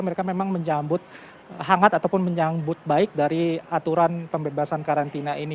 mereka memang menyambut hangat ataupun menyambut baik dari aturan pembebasan karantina ini